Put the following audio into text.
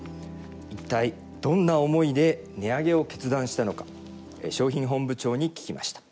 一体どんな思いで値上げを決断したのか商品本部長に聞きました